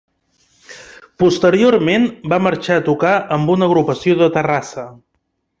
Posteriorment, va marxar a tocar amb una agrupació de Terrassa.